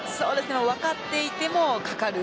分かっていてもかかる。